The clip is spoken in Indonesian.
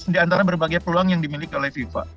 di antara berbagai peluang yang dimiliki oleh fifa